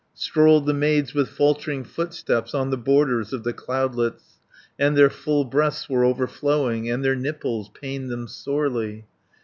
"Strolled the maids with faltering footsteps On the borders of the cloudlets, And their full breasts were o'erflowing, And their nipples pained them sorely.